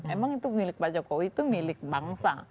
emang itu milik pak jokowi itu milik bangsa